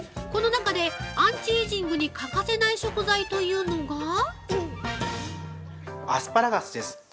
この中でアンチエイジングに欠かせない食材というのがアスパラガスです。